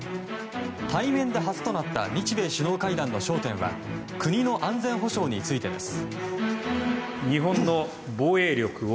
対面で初となった日米首脳会談の焦点となったのは国の安全保障についてです。